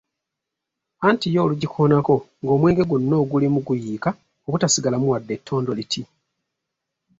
Anti yo olugikoonako ng’omwenge gwonna ogulimu guyiika obutasigalamu wadde ettondo liti!